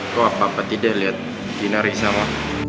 kok apa apa tidak liat gina rizawa